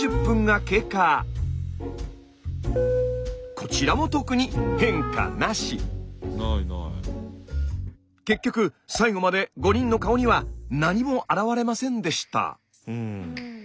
こちらも特に結局最後まで５人の顔には何もあらわれませんでした。